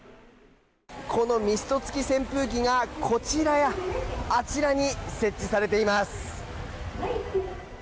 このミスト付き扇風機がこちらやあちらに設置されています。